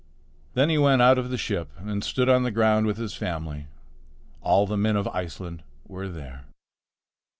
Then he went out of the ship and stood on the ground with his family. All the men of Iceland were there.